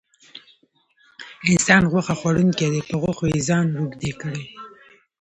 انسان غوښه خوړونکی دی په غوښو یې ځان روږدی کړی.